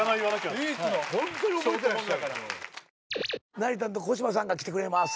成田と小芝さんが来てくれます。